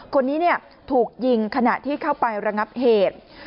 คนนี้ถูกยิงขณะที่เข้าไประงับเหตุ